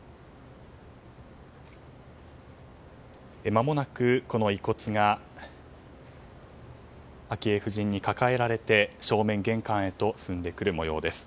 まもなく遺骨が昭恵夫人に抱えられて正面玄関へと進んでくる模様です。